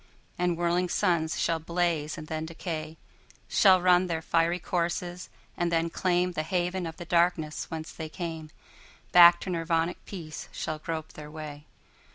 And whirling suns shall blaze and then decay, Shall run their fiery courses and then claimThe haven of the darkness whence they came; Back to Nirvanic peace shall grope their way.